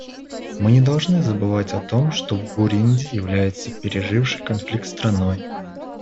Мы не должны забывать о том, что Бурунди является пережившей конфликт страной.